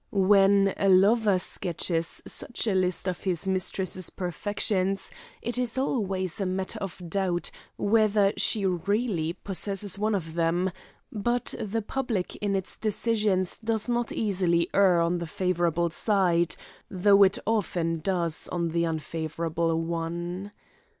When a lover sketches such a list of his mistress's perfections, it is always a matter of doubt whether she really possesses one of them, but the public in its decisions does not easily err on the favourable side, though it often does on the unfavourable one.